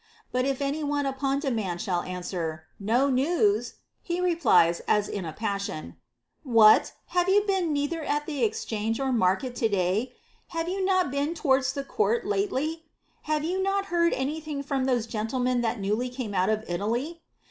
But if any one upon demand shall answer, No news ! he replies, as in a passion, AVhat, have you been neither at the exchange or market to day? Have you not been towards the court lately? Have you not heard any thing from those gentlemen that newly came out of Italy?